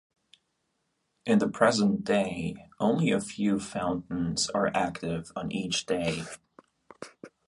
In the present day, only a few fountains are active on each day.